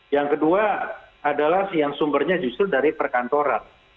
yang kedua adalah yang sumbernya justru dari perkantoran